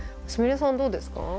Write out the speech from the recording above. すみれさんどうですか？